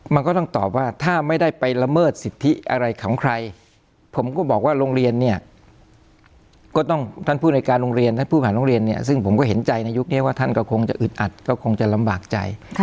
มันก็ต้องตอบว่าถ้าไม่ได้ไปละเมิดสิทธิอะไรของใครผมก็บอกว่าโรงเรียนเนี่ยก็ต้องท่านผู้ในการโรงเรียนท่านผู้ผ่านโรงเรียนเนี่ยซึ่งผมก็เห็นใจในยุคนี้ว่าท่านก็คงจะอึดอัดก็คงจะลำบากใจ